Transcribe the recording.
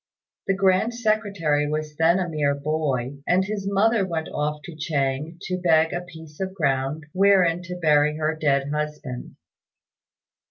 The Grand Secretary was then a mere boy, and his mother went off to Chang to beg a piece of ground wherein to bury her dead husband.